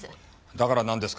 だからなんですか。